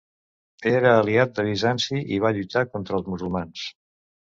Era aliat de Bizanci i va lluitar contra els musulmans.